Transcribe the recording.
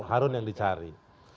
harun yang dicari